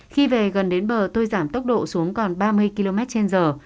khi về gần đến bờ tôi giảm tốc độ xuống còn ba mươi km trên giờ